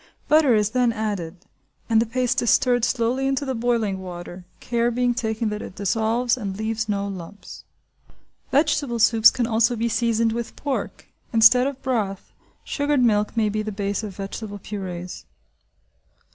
Butter is then added, and the paste is stirred slowly into the boiling water, care being taken that it dissolves and leaves no lumps. Vegetable soups can also be seasoned with pork. Instead of broth, sugared milk may be the base of vegetable purées.